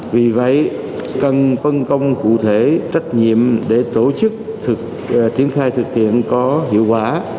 vì vậy cần phân công cụ thể trách nhiệm để tổ chức triển khai thực hiện có hiệu quả